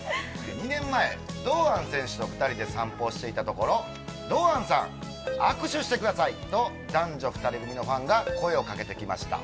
２年前、堂安選手と２人で散歩していたところ、堂安さん握手してくださいと男女２人組のファンが声をかけてきました。